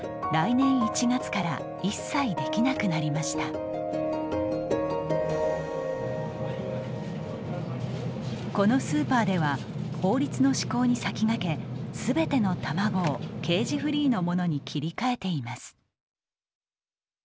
投票の結果このスーパーでは法律の施行に先駆け全ての卵をケージフリーのものに切り替えています。